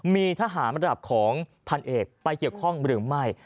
มีทหารระดับของพันเอกไปเกี่ยวข้องหรือไม่